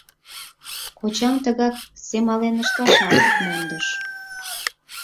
Кочам тыгак семален ышташат мондыш.